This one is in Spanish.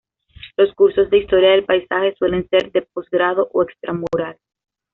Los cursos de historia del paisaje suelen ser de posgrado o "extra mural".